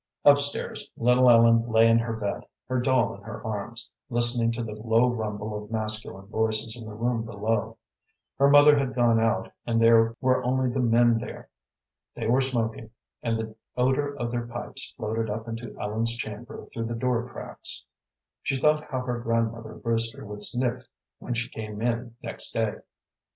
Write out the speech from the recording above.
Up stairs little Ellen lay in her bed, her doll in her arms, listening to the low rumble of masculine voices in the room below. Her mother had gone out, and there were only the men there. They were smoking, and the odor of their pipes floated up into Ellen's chamber through the door cracks. She thought how her grandmother Brewster would sniff when she came in next day.